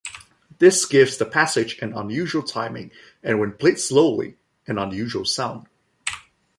This gives the passage an unusual timing and when played slowly an unusual sound.